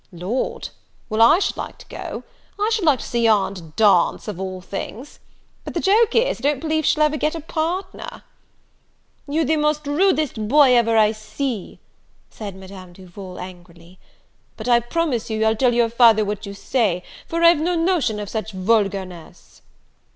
"Lord! well, I should like to go! I should like to see aunt dance of all things! But the joke is, I don't believe she'll get ever a partner." "You're the most rudest boy ever I see," cried Madame Duval, angrily: "but, I promise you, I'll tell your father what you say, for I've no notion of such vulgarness."